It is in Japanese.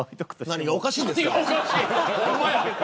何がおかしいんですか。